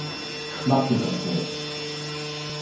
Schnapp Dir das Geld!